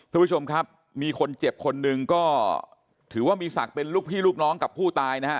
ทุกผู้ชมครับมีคนเจ็บคนหนึ่งก็ถือว่ามีศักดิ์เป็นลูกพี่ลูกน้องกับผู้ตายนะฮะ